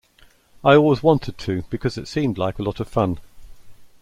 I always wanted to because it seemed like a lot of fun.